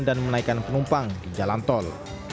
dan menaikkan penumpang di jalan tol